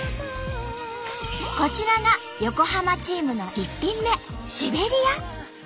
こちらが横浜チームの１品目「シベリア」。